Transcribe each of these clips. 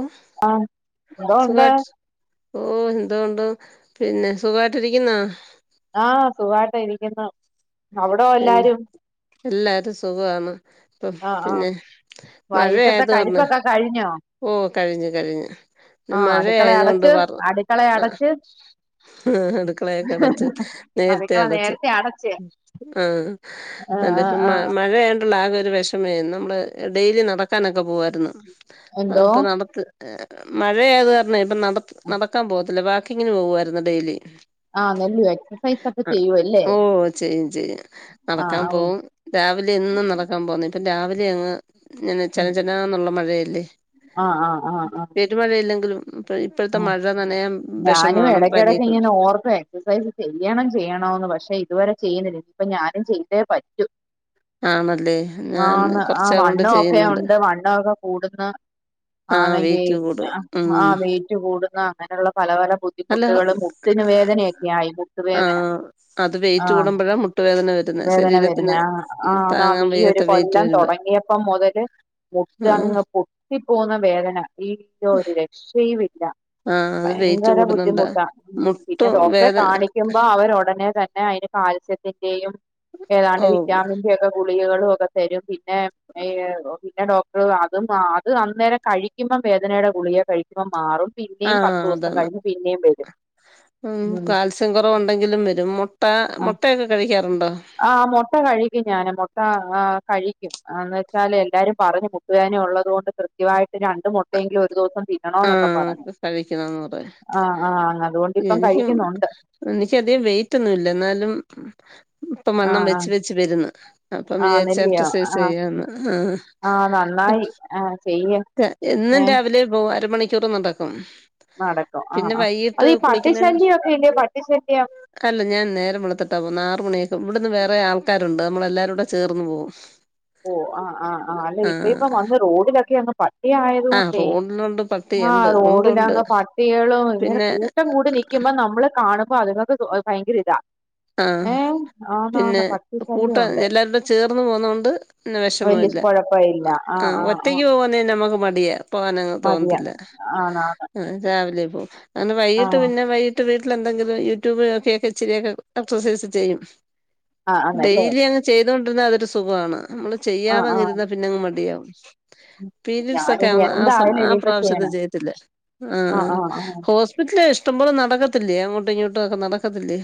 ഓ ആഹ് ഹലോ എന്തേ? സുഖായിട്ട് ഓ എന്തോ ഉണ്ട് പിന്നെ സുഖായിട്ടിരിക്കുന്നോ? ആഹ് സുഖായിട്ട് ഇരിക്കുന്നു അവിടോ പിന്നെ എല്ലാരും. എല്ലാരും സുഖവാണ് ഇപ്പം ആഹ് ആഹ് പിന്നെ വൈകിട്ടത്തെ മഴയായത് കാരന്നെ കഴിപ്പൊക്കെ കഴിഞ്ഞോ? ഓഹ് കഴിഞ് കഴിഞ് ആഹ് മഴ അടുക്കള ആയത് കൊണ്ട് അടച്ച് പറ അടുക്കള അടച്ച് ആഹ് അടുക്കളയൊക്കെ അടച്ച് നേരത്തെ അടുക്കള അടച്ച് നേരത്തെ അടച്ച് ആഹ് ആഹ് അല്ല ആഹ് ഇപ്പം മഴ ആഹ് മഴയായോണ്ട് ആകെ ഒരു വെഷമേ നമ്മള് ഡെയിലി നടക്കാനൊക്കെ പോവായ്രുന്നു എന്തോ അത്പ്പോ നടത്ത് മഴയായത് കാരണേ ഇപ്പ നട നടക്കാൻ പോവത്തില്ല വാക്കിങ്ങിന് പോകുവായിരുന്നു ഡെയിലി. ആഹ് നെല്ലു എക്സസൈസ് ഒക്കെ ആഹ് ചെയ്യുവല്ലേ ഓഹ് ചെയ്യും ചെയ്യും ആഹ് നടക്കാൻ ആഹ് പോവും. രാവിലെ എന്നും നടക്കാൻ പോന്നേ ഇപ്പൊ രാവിലെ അങ്ങ് ഇങ്ങനെ ചന ഉം ചനാന്നുള്ള മഴയല്ലേ. ആഹ് ആഹ് ആഹ് ആഹ് പെരുമഴയില്ലെങ്കിലും ഇപ്പ ഇപ്പൊ ആഹ് ഴത്തെമഴ നനയാൻ വെഷമാണ് പനിയൊക്കെവരും. പൊറത്തേ എക്സസൈസ് ചെയ്യണം ചെയ്യണോന്ന് പക്ഷെ ഇതുവരെ ചെയ്യുന്നില്ല ഇപ്പൊ ഞാനും ചെയ്തേ പറ്റു. ആണല്ലേ ഞാൻ ആണ് ആഹ് കുറച്ചാൾ കൊണ്ട് വണ്ണഒക്കെ ചെയ്യുന്നുണ്ട് ഉണ്ട് വണ്ണഒക്കെ കൂടുന്ന് ആ ആണെങ്കി വെയിറ്റ് കൂടും ഉം ആഹ് വെയിറ്റ് കൂടുന്ന് അങ്ങനെയുള്ള പല പല ബു അല്ല ദ്ധിമുട്ടുകളും മുട്ടിന് വേദനയൊക്കെ ആയി മുട്ട് വേദന ആഹ് മുട്ട് വേദന വരും വേദന വരുന്നേ ആഹ് ആഹ് അതാ ണീ ഒരു വയ്യാത്ത വെയിറ്റ് കൊല്ലം വരുമ്പോ തൊടങ്ങിയപ്പം മൊ തല് ആ മുട്ടങ്ങ് പൊട്ടി പോന്ന വേദന ഈയ്യോ ഒരു രക്ഷയുമില്ല. ആ അത് വെയിറ്റ് ഭയങ്കര കൂടുന്നുണ്ടാ ബുദ്ധിമുട്ടാ. പിന്നെ മുട്ടും ഡോക്ടറെ വേദന കാണിക്കുമ്പൊ അവര് ഒടനെ തന്നെ അതിന് കാൽസ്യത്തിന്റെയും ഏതാണ്ട് ഓ വിറ്റാമിന്റെ ഒക്കെ ഗുളികകളും ഒക്കെ തരും പിന്നെ പിന്നെ ഡോക്- അതും അത് അന്നേരം കഴിക്കുമ്പം വേദനയുടെ ഗുളിയ കഴിക്കുമ്പം മാറും ആ പിന്നേം പത്തോസം അതാണ് കഴിഞ്ഞ് പിന്നേം വരും ഉം കുറവ് ഉണ്ടെങ്കിലും വരും മുട്ട മുട്ടയൊക്കെ കഴിക്കാറുണ്ടോ ആഹ് മൊട്ട കഴിക്കും ഞാന് മൊട്ട ആഹ് കഴിക്കുംന്ന് വെച്ചാലെ എല്ലാരും പറഞ്ഞു മു - ട്ടുവേദന ഉള്ളതു കൊണ്ട് കൃത്യവാ യിട്ട് രണ്ട് മൊട്ടയെങ്കിലും ഒരു ദിവസം തി - ന്നണോന്നൊക്ക പറഞ്ഞ് ആഹ് കഴിക്കണന്ന് പറയാ ആഹ് ആഹ് അതുകൊണ്ട് ഇപ്പം എനിക്കും കഴിക്കുന്നൊണ്ട് എനിക്കധികം വെയിറ്റ് ഒന്നുംല്ല എന്നാലും ഇപ്പം ആ വണ്ണം വെച്ച് വെച്ച് വര്ന്ന് അപ്പം ആ വിചാരിച്ച് എക്സസൈസ് ചെയ്യാന്ന് ആഹ് ആഹ് നന്നായി ആഹ് ചെയ്- എന്നും രാവിലെ പോ അരമണിക്കൂറ് നടക്കും നടക്കും ആഹ് പിന്നെ ആഹ് അത് വൈകിട്ട് ഈ കുളിക്കുന്ന പട്ടിശല്ല്യോക്കെ ഇല്ലേ പട്ടിശല്യം അല്ല ഞാൻ നേരം വെളുത്തിട്ടാ പോകുന്ന ആറു മണിയൊക്കെ ഇവിടുന്ന് വേറെ ആൽക്കാരുണ്ട് നമ്മളെല്ലാരുംകൂടെ ചേർന്ന് പോകും ഓഹ് ആഹ് ആഹ് ആഹ് അല്ല ഇപ്പ ഇപ്പൊ ആഹ് വന്ന് റോഡിലൊക്കെ അങ്ങ് പ - ട്ടി ആയത് ആഹ് കൊണ്ടേ റോഡിലുണ്ട് ആഹ് പട്ടിയുണ്ട് ഉണ്ട് ഉണ്ട് റോഡിലങ്ങ് പട്ടികളും ഇങ്ങനെ പിന്നെ കൂ- ട്ടം കൂടി നിക്കുമ്പൊ നമ്മള് കാണുമ്പൊ അതുങ്ങൾക്ക് ഭയങ്കര ഇതാ ആഹ് ഏഹ് പിന്നെ ആന്നാന്ന് പട്ടി ശല്യം കൂട്ടം ഉണ്ട് എല്ലാരുടെ- ചേർന്ന് പോന്നോണ്ട് ന്നെ വെഷമ ഇല്ല ആഹ് ഒറ്റയ്ക്ക് പോകാന്നെ നമുക്ക് മടിയ പോകാനങ്ങ് മതിയാ തോന്നത്തില്ല ആണാണ് രാവിലെ പോകും കാരണം വൈകിട്ട് ആഹ് പിന്നെ വൈകി - ട്ട് വീട്ടിലെന്തെങ്കിലും യൂട്യൂബ് നോക്കിയൊക്കെ ഇച്ചിരിയൊക്കെ എക്സസൈസ് ചെയ്യും ആഹ് ആണല്ലേ ഡെയിലി അങ്ങ് ചെയ്തോണ്ടിരുന്ന അതൊരു സുഖവാണ് നമ്മള് ആഹ് ചെയ്യാതങ്ങ് ആഹ് ഇരുന്നാ പിന്നെ അങ്ങ് മടിയാവും പീരിയഡ്സ് ഒക്കെ ഞാനിനി ആവുന്ന ആ സമ എന്തായാലും ആ ഇനിയിപ്പ പ്രാവശ്യത്തെ ചെയ്യണം ചെയ്യത്തില്ലേ ആഹ് ആഹ് ഹോസ് - ഇഷ്ട്ടം പോലെ നടക്കത്തില്ലേ അങ്ങോട്ടും ഇങ്ങോട്ടും ഒക്കെ നടക്കത്തില്ലേ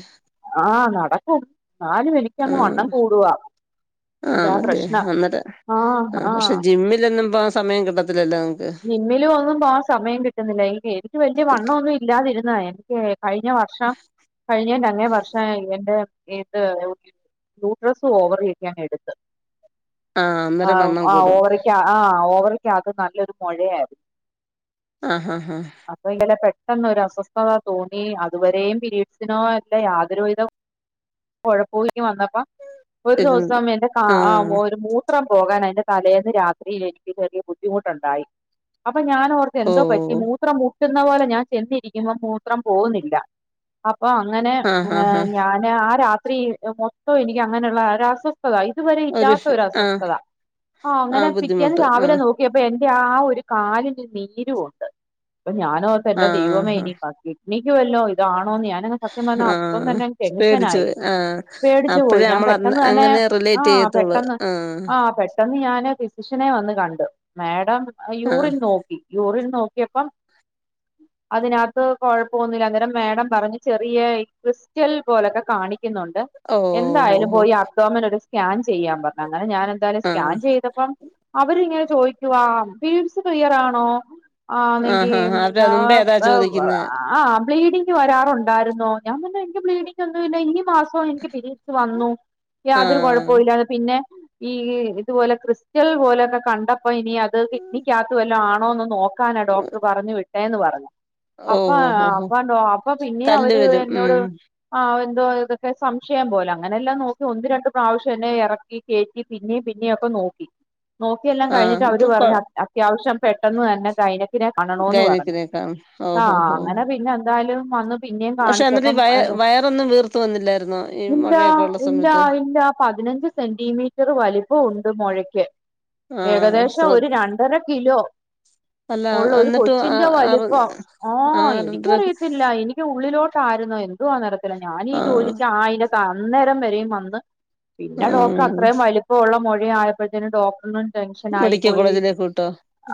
ആഹ് നടക്കും ന്നാലും ആ എനിക്കങ്ങ് വണ്ണം കൂടുവാ അതാ ആണല്ലേ പ്രശ്നം അന്നേര ആഹ് പക്ഷെ ജിമ്മിലൊന്നും പോകാൻ സമയം കിട്ടത്തില്ലല്ലോ ജിമ്മിലും ഒന്നും പോവാൻ സമയം കിട്ടുന്നില്ല എനിക്കേ എനിക്ക് വല്യ വണ്ണമൊന്നും ഇല്ലാതിരുന്നത എനിക്കേ കഴിഞ്ഞ വ- ർഷം കഴിഞ്ഞേന്റെ അങ്ങേ വർഷം എന്റെ ഇത് യൂഡ്രസ്സ് ഓവറി യൊക്കെ അങ്ങ് എടു - ത്ത് ആഹ് അന്നേരം ആഹ് വണ്ണം ആഹ് കൂടും. ഓവറിക്ക ആഹ് ഓവറിക്കകത്ത് നല്ലൊരു മൊ ഴയായിരുന്ന് ആഹ് ആഹ് ആഹ് അപ്പൊ ഇന്നലെ പെട്ടെന്ന് ഒരു അസ്വസ്ഥത തോന്നി അതുവരെയും പീരീഡ്സിനോ അല്ല യാതൊരുവിധ കൊഴപ്പവും ഇങ്ങ് വന്നപ്പ ഒരു ഇരുന്ന് ദിവസം എന്റെ കാ ആ ആഹ് ഒരു മൂ മൂത്രം പോകാൻ അതിന്റെ തലേന്ന് രാത്രിയിൽ എനിക്ക് ചെറിയ ബുദ്ധിമുട്ടുണ്ടായി അപ്പൊ ഞാൻ ഓർത്തു ഇത് എന്തോ പറ്റി ഓഹ് മൂത്രം മുട്ടുന്ന പോലെ ഞാൻ ചെന്നിരിക്കുമ്പോം മൂത്രം പോകുന്നില്ല അപ്പൊ അങ്ങനെ ആഹ് ആഹ് ആഹ് ഞാന് ആ രാത്രി മൊത്തം എനിയ്ക്ക് അങ്ങനെയുള്ള ഒര് അസ്വസ് സ്ഥതാ ഇതുവരെ ഒരു ഇല്ലാത്ത ആഹ് ഒരസ്വസ്ഥതാ ആ അങ്ങനെ ആഹ് പിറ്റേന്ന് ബുദ്ധിമുട്ട് രാവിലെ ആഹ് നോക്ക് ക്കിയപ്പ എന്റെ ആ ഒരു കാലിന് നീരു ഉണ്ട് അപ്പൊ ഞാന് ഓർത്ത് എന്റെ ദൈവമേ ആഹ് ആഹ് ഇനി ക കിഡ്നിക്ക് വല്ലോ ഇതാണോന്ന് ഞാൻ പിന്നെ അങ്ങ് സത്യം പർഞ്ഞാ അപ്പം ആഹ് തന്നേ പേടിച്ചു ടെൻഷനായി പോയി ആഹ് പേടിച്ചു പോയി അപ്പഴേ ഞാൻ നമ്മൾ അന്ന് പെട്ടെന്ന് തന്നെ അങ്ങനെ ആ റിലേറ്റ് ചെയ്യത്തുള്ളൂ പെട്ടെന്ന് ആഹ് ആ പെട്ടെന്ന് പെട്ടെന്ന് ഞാന് ഫിസിഷ്യനെ വന്ന് കണ്ടു മേഡം ആഹ് യൂറിൻ നോക്കി യൂറിൻ നോക്കിയപ്പം അതിനകത്ത് കൊഴപ്പൊ ഒന്നുമില്ല അന്നേരം മേഡം പറഞ്ഞ് ചെറിയ ഈ ക്രസ്റ്റൽ പോലൊക്കെ കാണിയ്ക്കുന്നുണ്ട് ഓഹ് എന്തായാലും ഓഹോ പോയി അത്തോമൻ ഒരു സ്കാൻ ചെയ്യാൻ പർഞ് അങ്ങനെ ഞാൻ എന്തായാലും സ്കാൻ ആഹ് ചെയ്തപ്പം അവര്ങ്ങനെ ചോയിക്കുവാ പീഡ്സ് ക്ലിയർ ആണോ ആന്ന് ആഹ് ആഹ് അവര് [unintelligible] മുമ്പേ അതാ ചോദിക്കുന്നെ ആ ബ്ലീഡിംഗ് വരാറുണ്ടായിരുന്നോ ഞാൻ പർഞ്ഞു ഇൻക്ക് ബ്ലീഡിംങ്ങൊന്നുമില്ല ഇൻക് ഈ മാസം ഇപ്പോ ഇൻക് പിരീഡ്സ് വന്നു യാതൊരു ആഹ് കൊഴപ്പവും ഇല്ല പിന്നെ ഈ ഇതുപോലെ ക്രിസ്റ്റൽ പോലെയൊക്കെ കണ്ടപ്പോ ഇനി അത് കിഡ്നിക്കകത്ത് വല്ല ആണോന്ന് നോക് ക്കാനാ ഡോക്ടർ പറഞ്ഞു വിട്ടേന്ന് പറഞ്ഞു അപ്പാ ഓഹ് ഓഹ് ഓഹോ അപ്പാ ഡോ അപ്പ പിന്നീം കല്ല് അവര് വരും ഉം എന്നോട് ആ എന്തോ ഇതൊക്കെ സംശയം പോലെ അങ്ങനെല്ലാം നോക്കി ഒന്ന് രണ്ട് പ്രാവശ്യം എന്നെ എറക്കി കേറ്റി പിന്നെയും പിന്നെയൊക്കെ നോക്കി [inaudible] നോക്കിയെല്ലാം കഴിഞ്ഞിട്ട് ആഹ് അവര് ഇപ്പം കൊ പറഞ്ഞ് അത്യാവശ്യം പെട്ടെന്ന് തന്നെ ഗൈനക് ക്ക്നേ കാണണോന്ന് പറഞ്ഞു ഗൈനക്കിനെ കാണും ആ ഓഹോ ഹോ ഹോ അങ്ങനെ പിന്നെ എന്തായാലും വന്ന് പിന്നെയും പക്ഷെ എന്നിട്ട് കാണിച്ചപ്പം ഈ വയ എന്താ വയറൊന്നും വീർത്ത് വന്നില്ലായിരുന്നോ ഈ ഇല്ലാ മഴയൊക്കെ ഉള്ള ഇല്ലാ സമയത്ത് ഇല്ലാ പതിനഞ്ച്സ് സെന്റിമീറ്റർ വലിപ്പ ഉണ്ട് മൊഴക്ക് ആഹ് ഏകദേശം ശ്ര ഒരു രണ്ടര കിലോ അല്ല ഉള്ള ഒരു എന്നിട്ടും ആ കൊച്ചിന്റെ അറി വലിപ്പം ആ ആഹ് രണ്ടര എനിയ്ക്കറിയത്തില്ല എനിക് എ ഉള്ളിലോട്ടായിരൂന്നോ എന്തുവാന്നറിയത്തില്ല ഞാനി ഈ ആഹ് ജോലിക്ക് ആയിരം ത അന്നേരം വരെയും വന്ന് പിന്നെ ഡോക്ടർ ഉം അത്രയും വലിപ്പ ഉള്ള മൊഴ ആയപ്പഴത്തേന് ഡോക്ടർ ന് ടെൻൻഷൻ ആയി മെഡിക്കൽ പ്പോയി കോളേജിലേക്ക് വിട്ടോ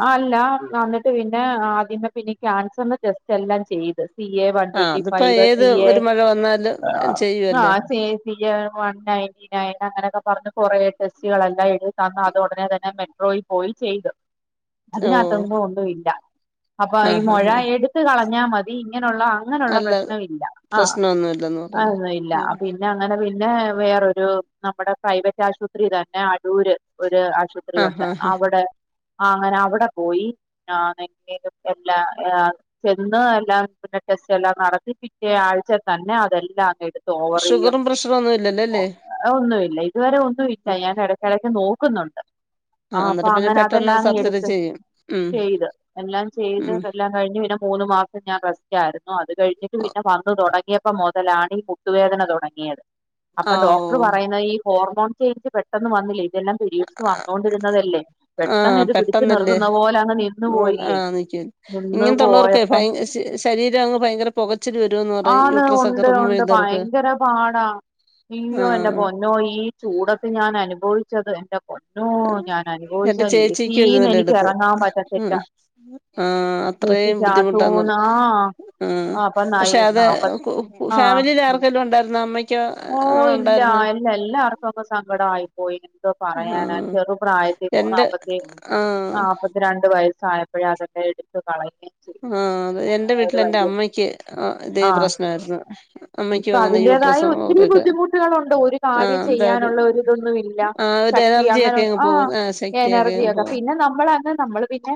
അല്ല അന്നിട്ട് പിന്നെ ആദ്യമേ പിന്നെ ഈ ക്യാൻസറിന്റെ ടെസ്റ്റ് എല്ലാം ചെയ്ത് C A one ah twenty അതിപ്പോ ഫൈവ് ഏത് സീ ഏ ഒരു മഴ വന്നാലും ആ ചെയ്യുവല്ലേ C A C A one നയന്റീനയൺ അങ്ങനെയൊക്കെ പർഞ്ഞ് കൊറേ ടെസ്റ്റുകളെല്ലാം എഴുതിതന്ന് അത് ഉടനെ തന്നെ മെട്രോയി പോയി ചെയ്തു [inaudible] ഓഹ് അതിനകത്തൊന്നും ഒന്നും ഇല്ല അപ്പ ഈ ആഹ് മൊഴ ആഹ് ആഹ് എടുത്ത് കളഞ്ഞാ മതി ഇങ്ങനെ ഉള്ള ഇങ്ങനെ ഉള്ള അല്ല പ്രശ്നം ഇല്ല ആ പ്രശ്നമൊന്നുമില്ലെന്ന് പറഞ്ഞു അതൊന്നും ഇല്ല ഉം പിന്നെ പിന്നെ അങ്ങനെ പിന്നെ വേറൊരു നമ്മടെ പ്രൈവറ്റ് ആശുപത്രി തന്നെ അടൂര് ഒരു ആശുപത്രി ത്രി ആഹ് ഉണ്ട് ആഹ് അവ്ടെ അങ്ങനെ അവ്ടെ പോയി [unintelligible] ചെന്ന് എല്ലാം പിന്നെ ടെസ്റ്റ് എല്ലാം നടത്തി പിറ്റേ ആഴ്ച തന്നെ അതെല്ലാം അങ്ങ് എട് തോവറിയും ഷുഗറും പ്രഷറും ഒന്നും ഇല്ലല്ലോ അല്ലേ അത് ഒന്നു ഇല്ല ഇതുവരെ ഒന്നു ഇല്ല ആഹ് ഞാനട് എടക്ക് നോക്കുന്നുണ്ട് ആ ആഹ് അപ്പ എന്നിട്ട് പിന്നെ അങ്ങനെ പെട്ടെന്ന് അതെല്ലാം അങ്ങ് സർജറി എടുത്ത് ചെയ്യും ഉം ചെയ്ത് എല്ലാം ഉം ചെയ്തതെല്ലാം കഴിഞ്ഞ് പിന്നെ മൂന്ന് മാസം ഞാൻ റെസ്റ്റ് ആയിരുന്നു. അത് കഴിഞ്ഞിട്ട് പിന്നെ വന്ന് തൊടങ്ങിയപ്പം മുതലാണ് ഈ മു ട്ടു വേദന തുടങ്ങിയത്. അപ്പൊ ആഹ് ഡോക്ടർ ഓഹ് പറയുന്നത് ഈ ഹോർമോൺ ചേഞ്ച് പെട്ടെന്ന് വന്നില്ലേ. ഇതെല്ലാം പിരീഡ്സ് വന്നൊണ്ടിരുന്നതല്ലേ പെട്ടെന്നിത് പിടിച്ച് നിർ [unintelligible] നിന്ന് ഇങ്ങൻത്തുള്ളവർക്കെ പോയപ്പം ഭയ ശരീരങ്ങ് ഭയങ്കര പുകച്ചില് വരുമെന്ന് പറയും ആന്ന് യൂട്രസ് ഒക്കെ ഉണ്ട് റിമൂവ് ഉണ്ട് ചെയ്തവർക്ക് ഭയങ്കര പാടാ യ്യോ എന്റെ ആഹ് പൊൻ ന്നോ ഈ ചൂടത്ത് ഞാന നുഭവിച്ചത് എന്റെ പൊന്നോ ഞാനനുഭവിച്ച എന്റെ ലേ സീ ചേച്ചിക്കും ഇതുപോലെ നെനി എടുത്ത് ക്യെറങ്ങാം പറ്റത്തില്ല ആഹ് ആഹ് അത്രയും ബുദ്ധിമുട്ടാന്ന് പറഞ്ഞു [unintelligible] ആഹ് അപ്പൊ നായി പക്ഷെ അത് നാപ്പ കു കു ആ ഫാമിലിലാർക്കൊക്കെ ഉണ്ടായിരുന്നോ അമ്മയ്ക്കോ? ഓഹ് അങ്ങനെ ഇല്ല ഉണ്ടായിരുന്നോ അല്ല എല്ലാർക്കു അപ്പ സങ്കട ആയി. പോയിന് ന്തോ പറയാനാ ആഹ് ചെറു പ്രായത്തിപൊ എന്റെ നാപ്പത്തി ആഹ് നാപ്പ ത്തിരണ്ടു വയസ്സായപ്പോഴേ അതൊക്കെഎടുത്തു കളഞ്ഞ് ആഹ് അതെ എന്റെ വീട്ടിൽ എന്റെമ്മയ്ക്ക് ഇതേ പ്രശ്നായിരുന്നു. ഇപ്പതിന്റെതായൊ ഒത്തിരി ബുദ്ധിമുട്ടുകളുണ്ട് ഒരു ആഹ് കാര്യം എന്തായാലും ചെയ്യാനുള്ള ഒരുരിതൊന്നു ഇല്ല ആഹ് ഒരു ശക്തി അങ്ങനെ എനർജിയൊക്കെ അങ്ങ് ആഹ്. പോകും ശക്തിയൊക്കെ അങ്ങ് എനർജിയക്കെ. പോകും പിന്നെ നമ്മളന്ന് നമ്മള് പിന്നെ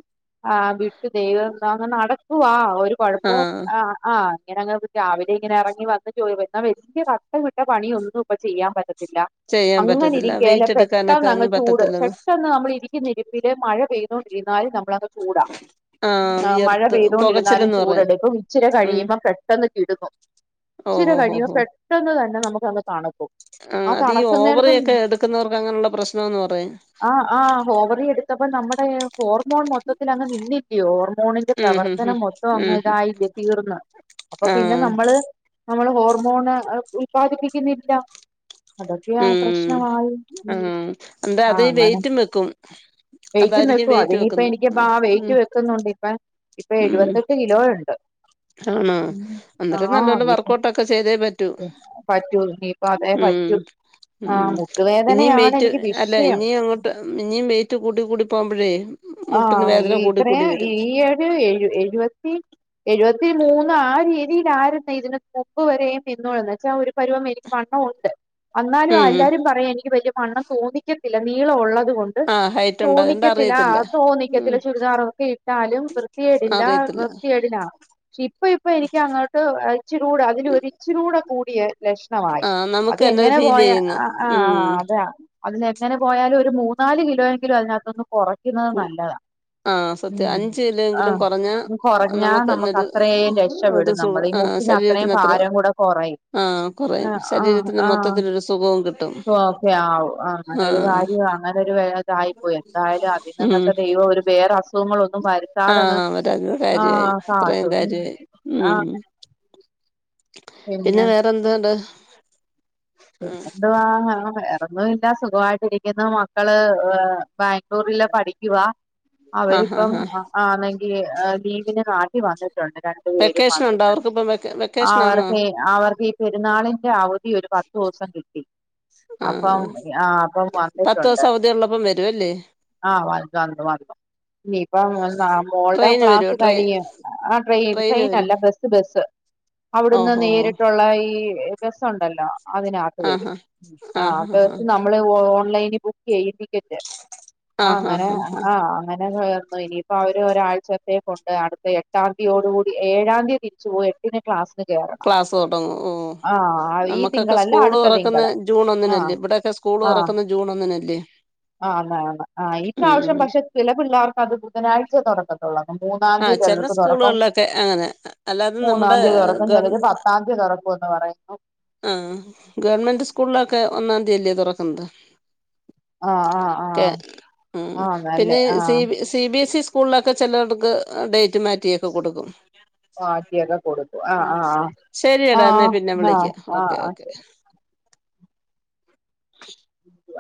ആഹ് വിട്ടു ദൈവം ന്താങ് നടക്കുവാ ഒരു കൊഴപ്പോം ആഹ് ആഹ് അങ്ങനങ്ങ് രാവിലെ ഇങ്ങനെ എറങ്ങി വന്ന് ചോയി എന്നാ വലിയ കട്ട പെട്ട പണിയൊന്നും ഇപ്പൊ ചെയ്യാൻ പറ്റത്തില്ല ചെയ്യാൻ അങ്ങനെ പറ്റത്തില്ല ഇരികേല വെയിറ്റ് എടുക്കാനൊക്കെ പെട്ടെന്ന ഒന്നും ങ്ങ്ചൂട് പറ്റത്തില്ലന്ന് പെട്ടെന്ന് നമ്മളി രിക്കുന്ന ഇരിപ്പില് മഴ പെയ് ണ്ടൊണ്ടിരുന്നാലു നമ്മളത് ചൂടാ ആഹ് അഹ്‌ മഴ വിയർത്ത് പെയ്തൊണ്ടിരുന്നാലും പൊകച്ചിലന്ന് പറയും ചൂടെടുക്കും ഇച്ചിരി ഉം കഴിയുമ്പം പെട്ടെന്ന് കിടുങ്ങു ച്ചിര ഓഹ് ഓഹ് കഴിയോ ഓഹ് ഓഹ് പെട്ടെന്ന് തന്നെ നമുക്കങ്ങ് തണു ആഹ് അതീ ഓവറിയൊക്കെ എടുക്കുന്നവർക്ക് അങ്ങനെയുള്ള പ്രശ്നംന്ന് പറയാ ആഹ് ആഹ് ഹോവറി എടുത്തപ്പോ നമ്മുടെ ഹോർമോൺ മൊത്തത്തിലങ്ങ് നിന്നില്ലിയോ ഹോർമോണ് ന്റെ ഉം ഹും ഹും പ്രവർത്തനം മൊത്തൊ ഉം അങ്ങ് ഹും തായില്ലേ തീർന്ന് അപ്പൊ പിന്നെ ആഹ് നമ്മള് നമ്മള് ഹോർമോണ് അ ഉല്പാദിപ്പിക്കുന്നില്ല. അതൊക്കെയാ ഉം പ്രശ്നവായി ഉം ആഹ് എന്താ അത് ആഹ് ഈ അങ്ങനെ. വെയിറ്റും വെക്കും വെയിറ്റും അതായിരിക്കും വെക്കു ആ വെയിറ്റ് അതിനിയിപ്പ വെക്കുന്നത് എനിക്ക് പാ വെയിറ്റ് ഉം വെക്കുന്നുണ്ട് ഇപ്പ ഇപ്പൊ ഉം എഴുപത്തെട്ട് കിലോ ഉണ്ട് ആണോ ഉം അന്നേരം നല്ലൊലം വർക്ക് ഔട്ട് ഒക്കെ ചെയ്തേ പ പറ്റൂന്ന് ഇനീപ്പതേ ഉം പറ്റു ഉം ആഹ് മുട്ടുവേദനയാണ് എനിക്ക് വിഷയം. ട്ട് ഇനിയും വെയിറ്റ് കൂടി കൂടി പോകുമ്പഴേ ആഹ് ഇത്രേം ഈ ഏഴ് എഴു എഴുപത്തി എഴുപത്തി മൂന്നാ രീതിയിലാരുന്ന് ഇതിന് മുൻപ് വരെയും [unintelligible] ന്ന് വെച്ചാ ഒരു പരുവം എനിക്ക് വണ്ണം ഒണ്ട് അന്നാലും ഉം എല്ലാരും പറയും എനിക്ക് വല്യ വണ്ണം തോന്നിക്കത്തില്ല നീളം ഒള്ളത് കൊ ആഹ് ഹൈറ്റ്ണ്ട് അതോണ്ട് അറിയത്തില്ല ഉം തോന്നിക്കത്തില്ല ചുരിദാറൊക്കെ ഇട്ടാലും വൃത്തിയേടില്ല അറിയത്തില്ല വൃത്തിയടില്ല പക്ഷെ ഇപ്പൊ ഇപ്പൊ എനിക്ക് അങ്ങോട്ട് എച്ചുരൂടെ അതിലൊരിച്ചിലൂടെ കൂടിയ ലഷ് ണവായി ആഹ് അത് നമുക്ക് തന്നെ എങ്ങനെ ഫീൽ പോയ ചെയ്യുന്നു ആഹ് ഉം ആഹ് ആഹ് അത അതിനെങ്ങനെ പോയാലും ഒരു മൂന്നാല് കിലോയെങ്കിലും അതിനകത്തൊന്ന് കൊറയ്ക്കുന്നത് കു നല്ലത ആഹ് ഉം സത്യം അഞ്ച് കിലോയെങ്കിലും ആഹ് കുറഞ്ഞാ ഒന്ന് കൊറഞ്ഞാ നമുക്ക് തന്നൊരു നമുക്കത്രേം രഷ് ഒരു ക്ഷപെടും സുഖ നമ്മള് ഈ ആഹ് മുട്ടിന് അത്രയും ശരീരത്തിന് അത്ര ഭാരം കൂടെ കൊറയും ആഹ് കുറയും ആഹ് ആഹ് ശരീരത്തിന് ആഹ് മൊത്തത്തിലൊരു സുഖവും കിട്ടും ഓക്കെ ആവു ആഹ് ആഹ് അങ്ങനൊരു കാര്യ ആണ് തരു വേതായിപ്പോയി എന്തായാലും അതിൽ ഉം നിന്നൊക്കെ ദൈവം ഒരു വേറെ അസുഖങ്ങള ഒന്നും വരു ആഹ് ത്താതെന്നും അവരത് കാര്യായി ആഹ് ഇത്രയും കാത്തു കാര്യായി ഉം ആഹ് പിന്നെ വേറെന്ത്ണ്ട് പിന്ന എന്തുവാ വേറൊന്ന് വേറൊന്നുല്ല സുഖമായിട്ടിരിക്കുന്നു മക്കള് ഏഹ് ബാംഗ്ലൂരില് പഠിക്കുവ ആഹ് അവരിപ്പം ആഹ് ആഹ് ആണെങ്കി ലീവിന് നാ ട്ടി വന്നിട്ടുണ്ട് രണ്ടു പേരും വെക്കേഷൻ ഉണ്ടോ വന്നിട്ടുണ്ട് അവർക്കിപ്പം വെക്ക വെക്കേഷൻ ആന്നോ അവർക്ക് ഈ അവർക്ക് ഈ പെരുന്നാളിന്റെ അവധി ഒരു പതോസം കിട്ടി അപ്പം ആഹ് ആഹ് അപ്പം പത്ത് വന്നിട്ടുണ്ട് ദിവസം അവധി ഉള്ളപ്പം വരും അല്ലേ ആഹ് വ വന്നു വന്നു ഇനിയിപ്പം ന്നാ മോളുടെ ട്രെയിന് ക്ലാസ് വരുവോ ട്രെയി കഴിയും ആഹ് ട്രെയിൻ ട്രെയിന് ട്രെയിൻ വരും അല്ല ബസ് ബസ് അവിടുന്ന് ഓഹോ ഹോ നേരിട്ടുള്ള ഈ ബസ്സ് ണ്ടല്ലോ അതിനകത്ത് വരും ആഹാ ആഹ് ആഹാ ഹാ ബസ് നമ്മള് ഓൺലൈനി ബുക്ക്‌ ചെയ്യിപ്പിച്ചിട്ട് ആഹാ അങ്ങനെ ഹാ ആഹ് അങ്ങനെ [unintelligible] അപ്പൊ അവര് ഒരാഴ്ച്ചത്തേക്കൊണ്ട് അടുത്ത് എട്ടാം തിയോട് കൂടി ഏഴാം തീയതി തിരിച്ചു പോവ ന് ക്ലാസ്ന് കേറ ക്ലാസ്സ് തുടങ്ങും ഉം ഈ നമ്മ ക്കൊക്കെ തിങ്കളല്ല സ്കൂള് അടുത്ത തുറക്കുന്ന തിങ്കള് ജൂൺ ആ ഒന്നിനല്ലേ ഇവിടെക്കെ സ്കൂള് തുറക്കുന്ന ജൂൺ ഒന്നിനല്ലേ ആണ് ആണ് ആഹ് ഈ ഉം പ്രാവശ്യം ഉം പക്ഷെ ചില പിള്ളേർക്ക് അത് ബുധനാഴ്ച്ച തുറന്ന മൂന്നാം ആ തീ ചെല ചിലർക്ക് തുറക്കും സ്കൂളുകളിലൊക്കെ അങ്ങനെ അല്ലാതെ മൂന്നാം നമ്മുടെ തീ തുറക്കും ഗവ ചിലര് പത്താം തീ തുറക്കും എന്ത് പറയ്ന്നു ആഹ് ഗവൺമെന്റ് സ്കൂളിലൊക്കെ ഒന്നാം തീയല്ലേ തുറക്കുന്നത് ആഹ് ആഹ് ക്കെ ആഹ് ഉം ആഹ് നല്ലേ പിന്നെ C uh B A C C B AC സ്കൂളിലൊക്കെ ചിലർക്ക് ഡേറ്റ് മാറ്റി ഒക്കെ കൊടുക്കും മാറ്റിയൊക്കെ കൊടുക്കും ആഹ് ആഹ് ശരിയടാ എന്ന ആഹ് പിന്നെ ആഹ് വിളിക്കാം ആഹ് ഓക്കെ ആഹ് ഓക്കെ ശരി [unintelligible]